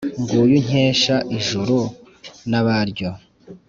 nguyu nkesha ijuru n’abaryo